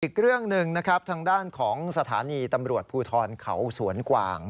อีกเรื่องหนึ่งนะครับทางด้านของสถานีตำรวจภูทรเขาสวนกวาง